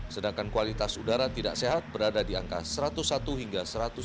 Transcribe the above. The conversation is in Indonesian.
sedangkan kualitas udara tidak sehat berada di angka satu ratus satu hingga satu ratus tujuh puluh